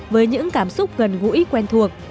với những cảm xúc gần gũi quen thuộc